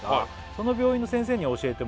「その病院の先生に教えてもらい」